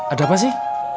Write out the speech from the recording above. ada apa sih